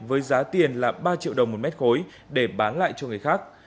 với giá tiền là ba triệu đồng một mét khối để bán lại cho người khác